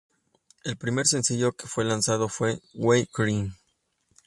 El primer sencillo que fue lanzado fue "We Cry".